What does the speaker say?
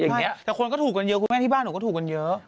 อย่างนี้แต่คนก็ถูกกันเยอะคุณแม่ที่บ้านหนูก็ถูกกันเยอะ